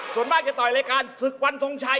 ส่วนมากจะต่อยรายการศึกวันทรงชัย